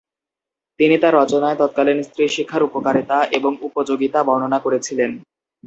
তিনি তার রচনায় তৎকালীন স্ত্রী শিক্ষার উপকারিতা এবং উপযোগিতা বর্ণনা করেছিলেন।